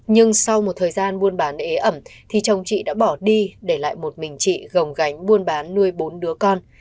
nhưng sau một thời gian buôn bán ế ẩm thì chồng chị đã bỏ đi để lại một mình chị gồng gánh buôn bán nuôi bốn đứa con